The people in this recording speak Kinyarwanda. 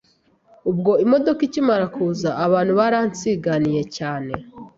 ubwo imodoka ikimara kuza abantu baransiganiye cyane